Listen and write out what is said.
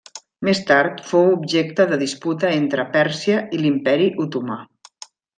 Més tard fou objecte de disputa entre Pèrsia i l'imperi Otomà.